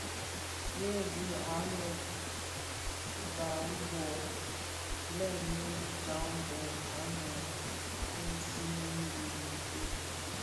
Hei dhi ňannë uba bo: lènii djambhog ňanèn u sigmèn di kituri,